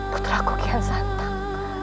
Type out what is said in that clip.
putra ku kian santang